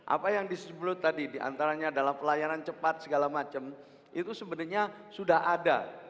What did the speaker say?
apa yang disebut tadi diantaranya adalah pelayanan cepat segala macam itu sebenarnya sudah ada